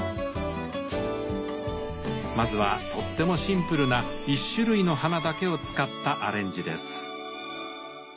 まずはとってもシンプルな一種類の花だけを使ったアレンジです。